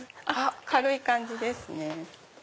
軽い感じですね。